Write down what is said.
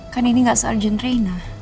kan ini gak se urgen renna